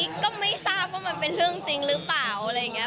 ก็ไม่ทราบว่ามันเป็นเรื่องจริงหรือเปล่าอะไรอย่างนี้